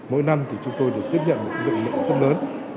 mỗi năm chúng tôi được tiếp nhận một lượng lượng sân lớn